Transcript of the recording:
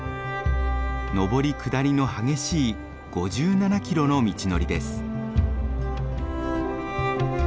上り下りの激しい５７キロの道のりです。